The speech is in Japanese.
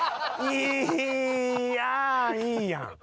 いやあいいやん！